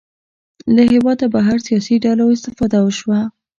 له هېواده بهر سیاسي ډلو استفاده وشوه